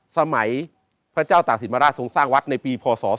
สมัยพระเจ้าต่างสิทธิมาราชทรงสร้างวัดในปีพศ๒๓๒๓